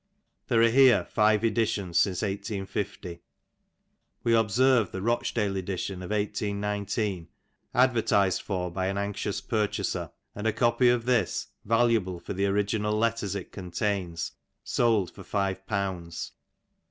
There are here five editions since 1850. We obserre the Bochdale edition of 1819 advertised for by an anxious purchaser, and a copy of this, yaluable for the original letters it contains, sold for five poimds.